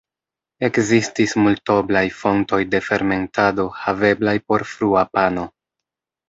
Ekzistis multoblaj fontoj de fermentado haveblaj por frua pano.